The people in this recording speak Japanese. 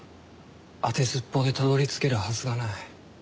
当てずっぽうでたどり着けるはずがない。